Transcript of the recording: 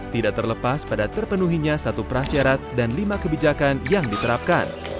tidak terlepas pada terpenuhinya satu prasyarat dan lima kebijakan yang diterapkan